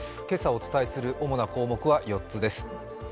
今朝お伝えする主な項目は４つです